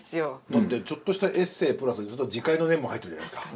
だってちょっとしたエッセープラス自戒の念も入ってるじゃないですか。